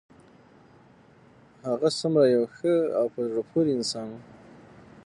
هغه څومره یو ښه او په زړه پورې انسان و